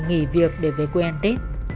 nghỉ việc để về quê an tết